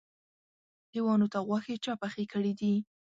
لېوانو ته غوښې چا پخې کړی دي.